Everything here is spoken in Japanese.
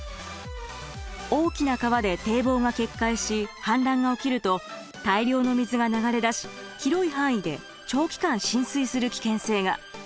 大きな川で堤防が決壊し氾濫が起きると大量の水が流れ出し広い範囲で長期間浸水する危険性が。